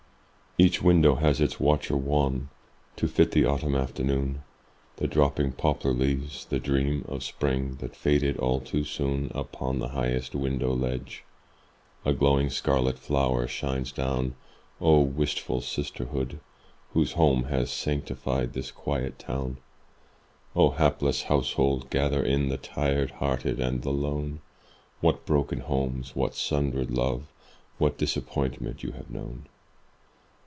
Each window has its watcher wan To fit the autumn afternoon, The dropping poplar leaves, the dream Of spring that faded all too soon. Upon the highest window ledge A glowing scarlet flower shines down. Oh, wistful sisterhood, whose home Has sanctified this quiet town! Oh, hapless household, gather in The tired hearted and the lone! What broken homes, what sundered love, What disappointment you have known!